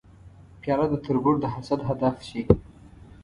پیاله د تربور د حسد هدف شي.